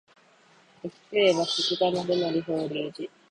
柿食えば鐘が鳴るなり法隆寺